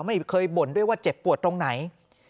ไม่เคยบ่นด้วยว่าเจ็บปวดตรงไหน